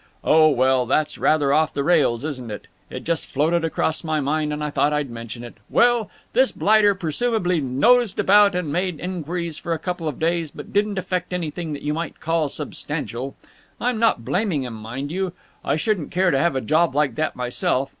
Oh, well, that's rather off the rails, isn't it? It just floated across my mind and I thought I'd mention it. Well, this blighter presumably nosed about and made enquiries for a couple of days, but didn't effect anything that you might call substantial. I'm not blaming him, mind you. I shouldn't care to have a job like that myself.